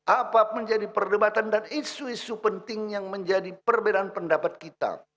apa menjadi perdebatan dan isu isu penting yang menjadi perbedaan pendapat kita